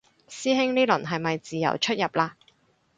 師兄呢輪係咪自由出入嘞